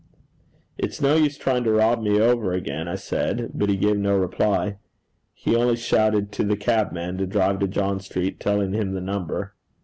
'It's no use trying to rob me over again,' I said; but he gave no reply. He only shouted to the cabman to drive to John Street, telling him the number.